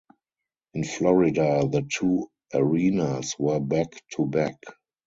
In Florida the two arenas were back to back.